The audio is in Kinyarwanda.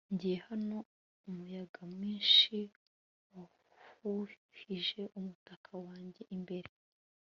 ngiye hano, umuyaga mwinshi wahuhije umutaka wanjye imbere